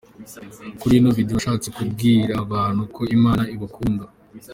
Kuri ino Video nashatse kubwira abantu ko Imana ibakunda.